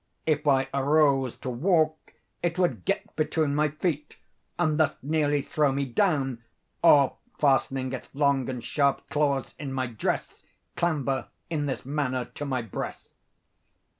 If I arose to walk it would get between my feet and thus nearly throw me down, or, fastening its long and sharp claws in my dress, clamber, in this manner, to my breast.